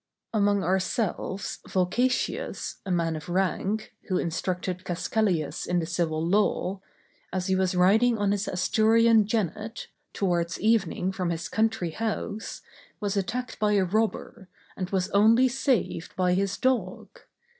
_] Among ourselves, Volcatius, a man of rank, who instructed Cascellius in the civil law, as he was riding on his Asturian jennet, towards evening, from his country house, was attacked by a robber, and was only saved by his dog.